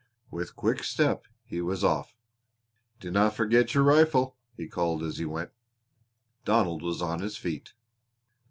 With quick step he was off. "Dinna forget your rifle," he called as he went. Donald was on his feet.